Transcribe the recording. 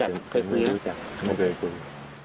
มาสร้างการให้พี่หน้าพ่อสร้างข้อแรก